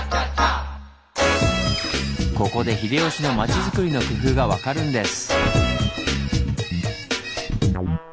ここで秀吉の町づくりの工夫が分かるんです。